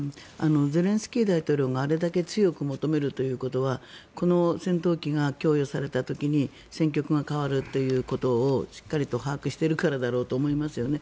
ゼレンスキー大統領があれだけ強く求めるということはこの戦闘機が供与された時に戦局が変わるということをしっかりと把握しているからだろうと思いますよね。